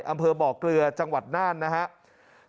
อำเภอบ่อเกลือจังหวัดน่านนะครับ